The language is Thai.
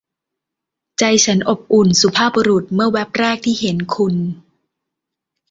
ใจฉันอบอุ่น สุภาพบุรุษ เมื่อแว่บแรกที่เห็นคุณ